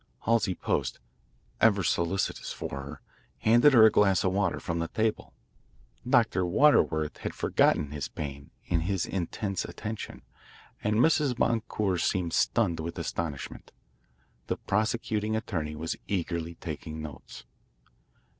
Halsey Post, ever solicitous for her, handed her a glass of water from the table. Dr. Waterworth had forgotten his pain in his intense attention, and Mrs. Boncour seemed stunned with astonishment. The prosecuting attorney was eagerly taking notes.